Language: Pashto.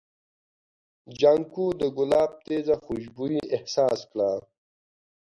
جانکو د ګلاب تېزه خوشبويي احساس کړه.